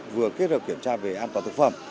vừa kết hợp kiểm tra về an toàn thực phẩm